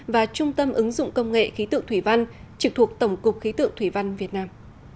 và trung tâm ứng dụng công nghệ khí tượng thủy văn trực thuộc tổng cục khí tượng thủy văn việt nam